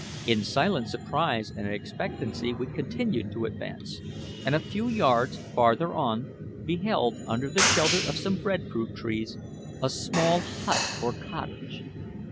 In silent surprise and expectancy we continued to advance, and a few yards farther on, beheld, under the shelter of some bread fruit trees, a small hut or cottage.